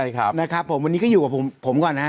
วันนี้ก็อยู่กับผมผมก่อนครับ